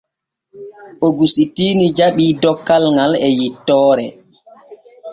Ogusitiini jaɓii dokkal ŋal e yettoore.